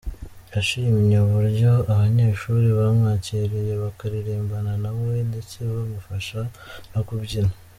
Yashimye uburyo abanyeshuri bamwakiriye bakaririmbana na we ndetse bamufasha no kubyina.